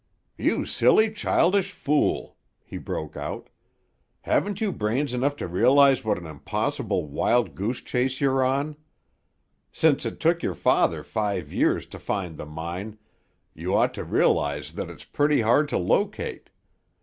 "You silly, childish fool!" he broke out. "Haven't you brains enough to realise what an impossible wild goose chase you're on? Since it took your father five years to find the mine, you ought to realise that it's pretty hard to locate.